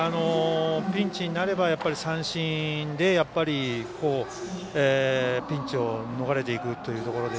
ピンチになれば三振でピンチを逃れていくというところで。